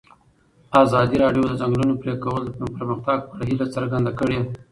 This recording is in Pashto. ازادي راډیو د د ځنګلونو پرېکول د پرمختګ په اړه هیله څرګنده کړې.